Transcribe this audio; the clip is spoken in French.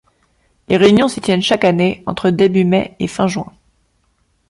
Les réunions s'y tiennent chaque année entre début mai et fin juin.